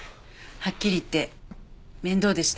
はっきり言って面倒でした。